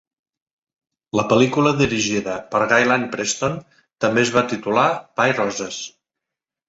La pel·lícula, dirigida per Gaylene Preston, també es va titular "Pa i Roses".